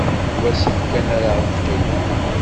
Deg wasif kan ara d-qqimen.